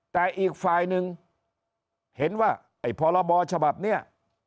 แต่อีกฝ่ายหนึ่งเห็นว่าไอ้พรบฉบับนี้